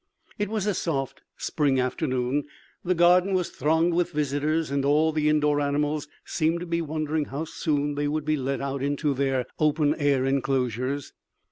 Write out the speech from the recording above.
It was a soft spring afternoon, the garden was thronged with visitors and all the indoor animals seemed to be wondering how soon they would be let out into their open air inclosures.